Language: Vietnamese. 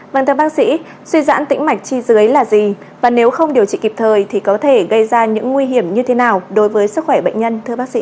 vâng thưa bác sĩ suy dãn tĩnh mạch chi dưới là gì và nếu không điều trị kịp thời thì có thể gây ra những nguy hiểm như thế nào đối với sức khỏe bệnh nhân